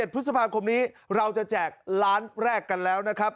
๑พฤษภาคมนี้เราจะแจกล้านแรกกันแล้วนะครับ